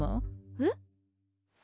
えっ？